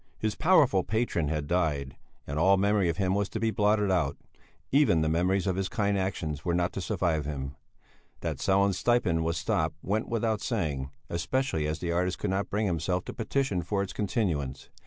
His powerful patron had died, and all memory of him was to be blotted out; even the memories of his kind actions were not to survive him. That Sellén's stipend was stopped went without saying, especially as the artist could not bring himself to petition for its continuance.